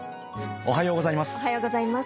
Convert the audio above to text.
おはようございます。